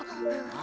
あ！